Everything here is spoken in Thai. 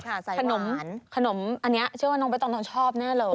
ขนมขนมอันนี้เชื่อว่าน้องใบตองต้องชอบแน่เลย